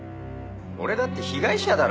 俺だって被害者だろ。